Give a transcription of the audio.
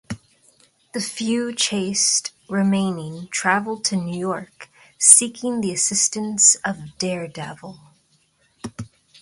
The few Chaste remaining traveled to New York, seeking the assistance of Daredevil.